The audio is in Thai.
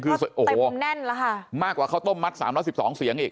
เพราะเต็มแน่นแล้วค่ะมากกว่าเขาต้มมัด๓๑๒เสียงอีก